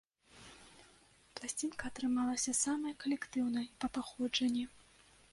Пласцінка атрымалася самай калектыўнай па паходжанні.